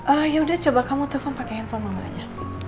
ah yaudah coba kamu telfon pake handphone mama aja